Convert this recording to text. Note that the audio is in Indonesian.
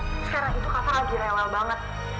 sekarang itu kak fah lagi rewel banget